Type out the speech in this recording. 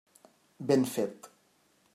Ben fet.